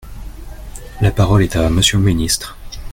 La parole est à Monsieur le ministre.